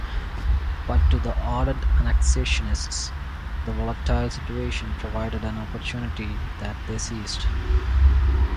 But to the ardent Annexationists the volatile situation provided an opportunity that they seized.